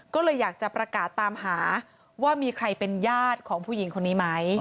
ก็เลยอยากจะประกาศตามหาว่ามีใครเป็นญาติของผู้หญิงคนนี้ไหม